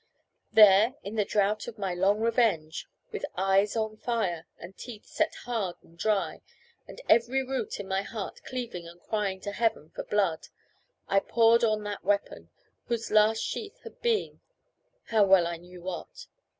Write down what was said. There, in the drought of my long revenge, with eyes on fire, and teeth set hard and dry, and every root of my heart cleaving and crying to heaven for blood, I pored on that weapon, whose last sheath had been how well I knew what.